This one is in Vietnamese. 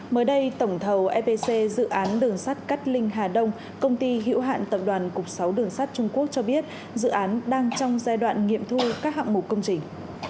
mới đây tổng thầu epc dự án đường sắt cát linh hà đông công ty hữu hạn tập đoàn cục sáu đường sắt trung quốc cho biết dự án đang trong giai đoạn nghiệm thu các hạng mục công trình